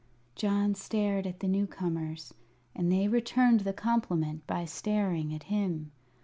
John stared at the new comers, and they returned the compliment by staring at him.